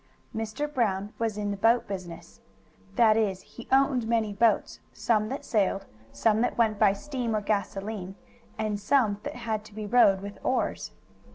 Mr. Brown was in the boat business. That is he owned many boats, some that sailed, some that went by steam or gasoline, and some that had to be rowed with oars.